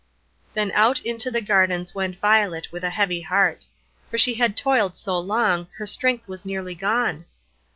Then out into the gardens went Violet with a heavy heart; for she had toiled so long, her strength was nearly gone.